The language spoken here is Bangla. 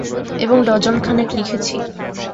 এবং ডজনখানেক লিখেছি।